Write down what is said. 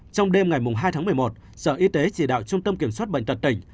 trong đêm ngày hai tháng một mươi một sở y tế chỉ đạo trung tâm kiểm soát bệnh tật tỉnh